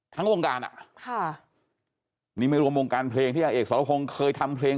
ทั้งวงการอ่ะค่ะนี่ไม่รวมวงการเพลงที่อาเอกสรพงศ์เคยทำเพลง